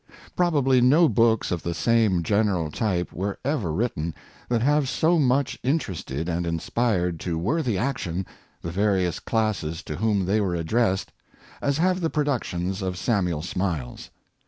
^ ROBABLY no books of the same general type were ever written that have so much inter ested and inspired to worthy action the various classes to whom they were addressed, as have the productions of Samuel Smiles.